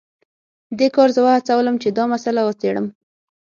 دې کار زه وهڅولم چې دا مسله وڅیړم